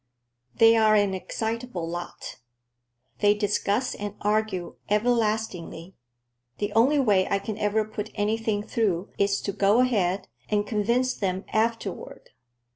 They are an excitable lot. They discuss and argue everlastingly. The only way I can ever put anything through is to go ahead, and convince them afterward."